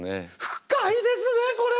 深いですねこれは！